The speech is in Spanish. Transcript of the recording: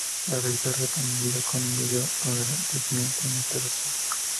La revista ha respondido con un video donde desmienten esta versión.